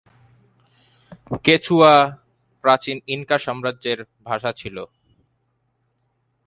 Quechua প্রাচীন Inca সাম্রাজ্যের ভাষা ছিল।